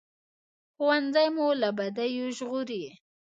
ښوونځی مو له بدیو ژغوري